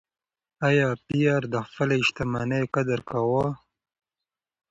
ایا پییر د خپلې شتمنۍ قدر کاوه؟